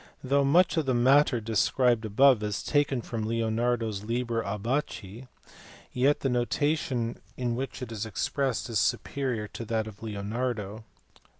Though much of the matter described above is taken from Leonardo s Liber Abaci, yet the notation in which it is expressed is superior to that of Leonardo.